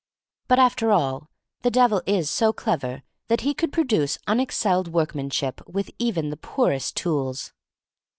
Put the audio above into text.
But, after all, the Devil is so clever that he could produce unexcelled workmanship with even the poorest tools.